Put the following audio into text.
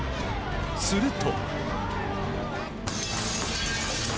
すると。